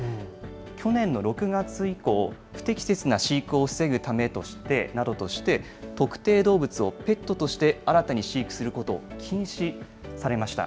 去年の６月以降、不適切な飼育を防ぐためなどとして、特定動物をペットとして新たに飼育することを禁止されました。